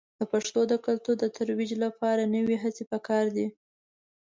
د پښتو د کلتور د ترویج لپاره نوې هڅې په کار دي.